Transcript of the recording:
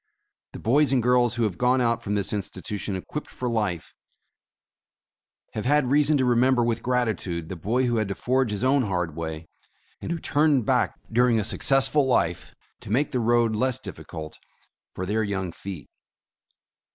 The boys and girls who have gone out from this institution equipped for life, have had reason to remember with gratitude the boy who had to forge his own hard way, and who turned back during a successful life, to make the road less difficult for their young feet.